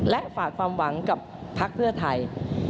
และฝากความหวังกับพักเพื่อไทย